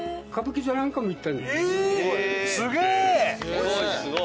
すごいすごい。